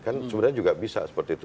kan sebenarnya juga bisa seperti itu